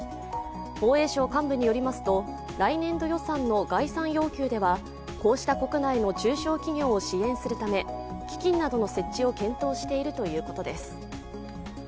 防衛省幹部によりますと来年度予算の概算要求ではこうした国内の中小企業を支援するため基金などの設置を検討しているということです。